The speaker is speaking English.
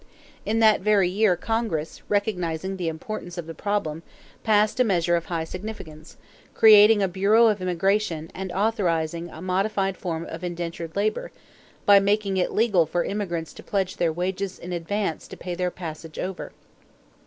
In that very year Congress, recognizing the importance of the problem, passed a measure of high significance, creating a bureau of immigration, and authorizing a modified form of indentured labor, by making it legal for immigrants to pledge their wages in advance to pay their passage over.